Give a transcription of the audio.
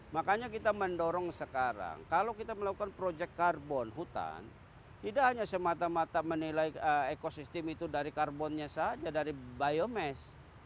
makanya kita mendorong sekarang kalau kita melakukan project karbon hutan tidak hanya semata mata menilai ekosistem itu dari karbonnya saja dari biomes